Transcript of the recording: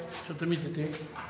ちょっと見てて。